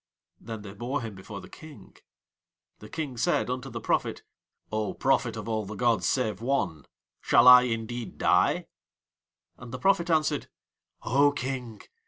Then they bore him before the King. The King said unto the prophet: "O Prophet of All the gods save One, shall I indeed die?" And the prophet answered: "O King!